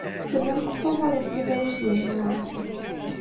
Tellam tessaẓayem tibalizin-nwen.